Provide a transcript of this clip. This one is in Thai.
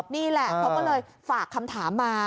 นี่แหละเขาก็เลยฝากคำถามมา